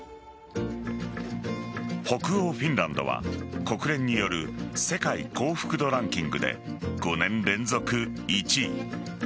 北欧・フィンランドは国連による世界幸福度ランキングで５年連続１位。